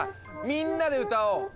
みんなで歌おう！